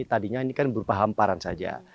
tadinya ini kan berupa hamparan saja